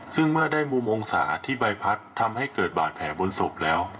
ซึ่งเมื่อได้มุมองศาที่ใบพัดทำให้เกิดบาดแผลบนศพแล้ว